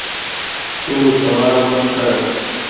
تو سوآل مت ڪر ۔